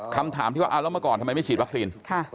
คำถามที่ว่าเอาแล้วเมื่อก่อนทำไมไม่ฉีดวัคซีน